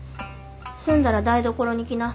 済んだら台所に来な。